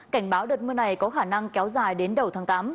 cảnh báo đợt mưa này có khả năng kéo dài đến đầu tháng tám